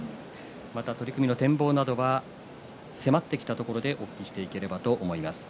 また取組の展望などは迫ってきたところでお聞きします。